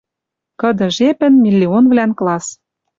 Кыды жепӹн миллионвлӓн класс